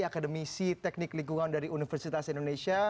akademisi teknik lingkungan dari universitas indonesia